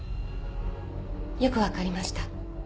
よく分かりました